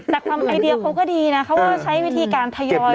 แต่ทำไอเดียเขาก็ดีนะเขาก็ใช้วิธีการทยอย